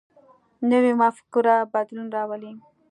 نوی مفکوره بدلون راولي